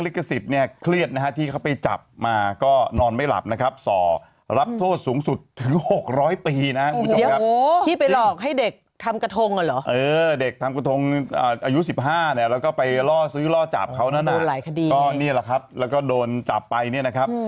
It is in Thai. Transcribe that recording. ล่อจับเขาน่ะก็นี่แหละครับแล้วก็โดนจับไปเนี่ยนะครับ